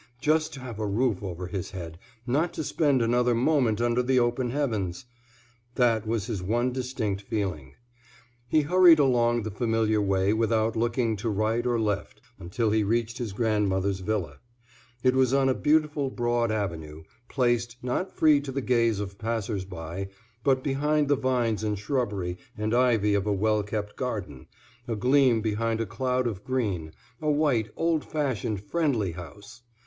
Just to have a roof over his head, not to spend another moment under the open heavens! That was his one distinct feeling. He hurried along the familiar way without looking to right or left until he reached his grandmother's villa. It was on a beautiful, broad avenue, placed, not free to the gaze of passersby but behind the vines and shrubbery and ivy of a well kept garden, a gleam behind a cloud of green, a white, old fashioned, friendly house.